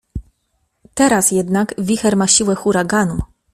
Teraz jednak wicher ma siłę huraganu.